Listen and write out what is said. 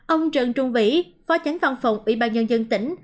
ông trần trung vĩ phó chánh phòng phòng ủy ban nhân dân tỉnh